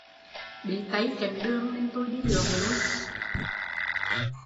Bị Tây chận đường nên tui đi lộn lui